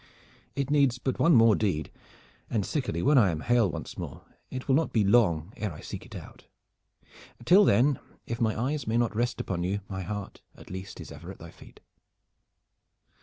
It needs but one more deed, and sickerly when I am hale once more it will not be long ere I seek it out. Till then, if my eyes may not rest upon you, my heart at least is ever at thy feet."